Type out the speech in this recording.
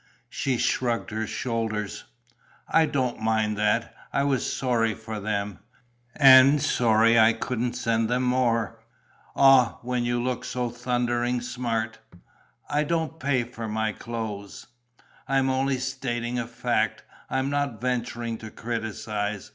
She shrugged her shoulders: "I don't mind that. I was sorry for them ... and sorry I couldn't send more." "Ah, when you look so thundering smart...." "I don't pay for my clothes." "I'm only stating a fact. I'm not venturing to criticize.